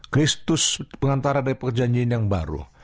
kristus pengantar dari perjanjian yang baru